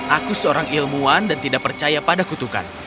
aku seorang ilmuwan dan tidak percaya pada kutukan